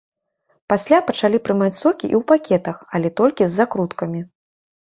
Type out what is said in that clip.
Пасля пачалі прымаць сокі і ў пакетах, але толькі з закруткамі.